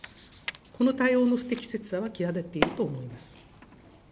この対応の不適切さは際立っていると思います。